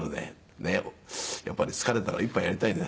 「やっぱり疲れたら一杯やりたいね」。